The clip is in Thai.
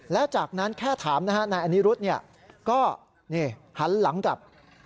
แล้วจากนั้นแค่ถามนะฮะนายอนิรุธก็หันหลังกลับ